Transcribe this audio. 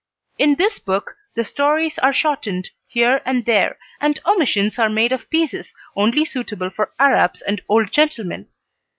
In this book the stories are shortened here and there, and omissions are made of pieces only suitable for Arabs and old gentlemen.